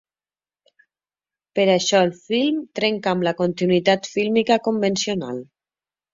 Per això el film trenca amb la continuïtat fílmica convencional.